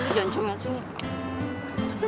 lo jangan cuma disini